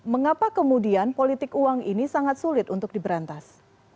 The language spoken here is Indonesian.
mengapa kemudian politik uang ini sangat sulit untuk diberantas